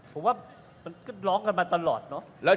ผมว่ามันก็ร้องกันมาตลอดเนอะ